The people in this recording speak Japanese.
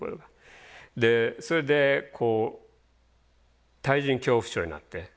でそれでこう対人恐怖症になって。